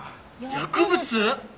薬物！？